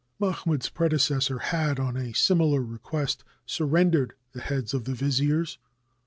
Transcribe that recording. Mahmoud's predecessor had, on a similar request, surrendered the heads of the viziers.